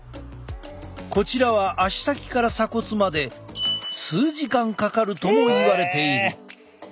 こちらは足先から鎖骨まで数時間かかるともいわれている。